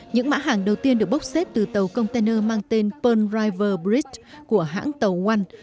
những mã hàng đầu tiên được bốc xếp từ tàu container mang tên pearl river bridge của hãng tàu wal